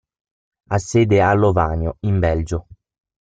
Ha sede a Lovanio, in Belgio.